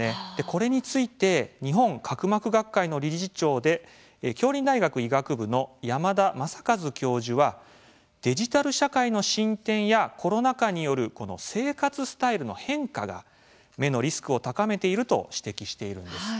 これについて日本角膜学会の理事長で杏林大学医学部の山田昌和教授はデジタル社会の進展やコロナ禍による生活スタイルの変化が、目のリスクを高めていると指摘しているんです。